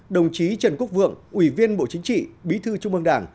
đồng chí trần quốc vượng ủy viên bộ chính trị bí thư trung ương đảng